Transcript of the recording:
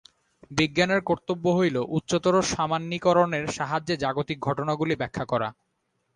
বিজ্ঞানের কর্তব্য হইল উচ্চতর সামান্যীকরণের সাহায্যে জাগতিক ঘটনাগুলি ব্যাখ্যা করা।